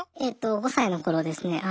えと５歳の頃ですね。